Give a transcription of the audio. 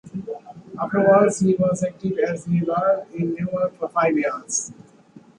Afterwards, he was active as a lawyer in New York for five years.